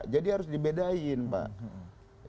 jadi harus dibedain pak